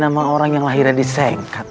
sama orang yang lahir di sengkat